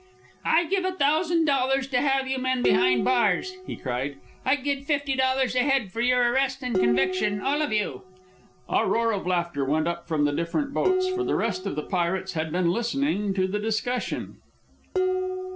"I'd give a thousand dollars to have you men behind the bars!" he cried. "I'll give fifty dollars a head for your arrest and conviction, all of you!" A roar of laughter went up from the different boats, for the rest of the pirates had been listening to the discussion.